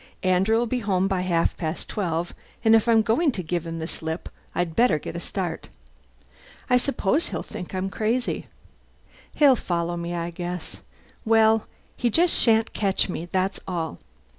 Andrew'll be home by half past twelve and if I'm going to give him the slip I'd better get a start. I suppose he'll think I'm crazy! He'll follow me, I guess. Well, he just shan't catch me, that's all!"